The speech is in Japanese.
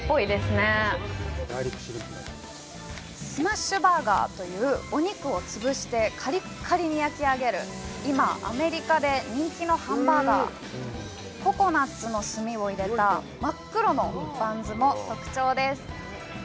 スマッシュバーガーというお肉を潰してカリッカリに焼き上げる今アメリカで人気のハンバーガーココナツの炭を入れた真っ黒のバンズも特徴です